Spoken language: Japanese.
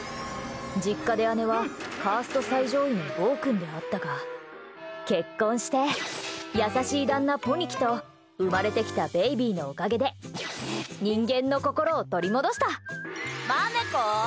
実家で姉はカースト最上位の暴君であったが結婚して、優しい旦那ポニキと生まれてきたベイビーのおかげで人間の心を取り戻した。